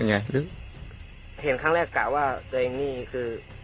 วิ่งหนีลึกว่าไงลึกเห็นครั้งแรกกะว่าเจ้าเองนี่คือ